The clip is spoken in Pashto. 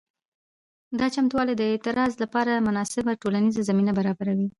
دا چمتووالي د اعتراض لپاره مناسبه ټولنیزه زمینه برابروي.